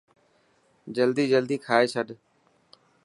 جلدي جلدي کائي ڇڏ.